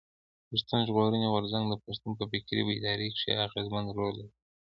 پښتون ژغورني غورځنګ د پښتنو په فکري بيداري کښي اغېزمن رول لري.